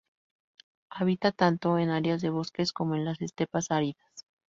Habita tanto en áreas de bosques como en las estepas áridas.